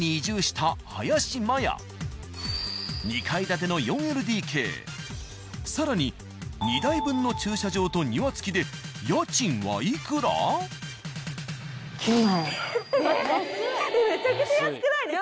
２階建ての４ＬＤＫ更に２台分の駐車場と庭つきで家賃はいくら？